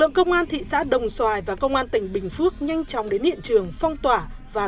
truyền thị xã đồng xoài và công an tỉnh bình phước nhanh chóng đến hiện trường phong tỏa và